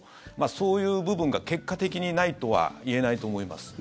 そういう部分が、結果的にないとは言えないと思います。